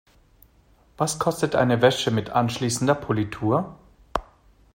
Was kostet eine Wäsche mit anschließender Politur?